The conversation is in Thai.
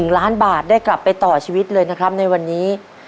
๑ล้านบาทได้กลับไปต่อชีวิตเลยนะครับในวันนี้